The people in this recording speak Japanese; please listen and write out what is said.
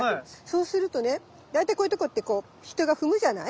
そうするとね大体こういうとこってこう人が踏むじゃない？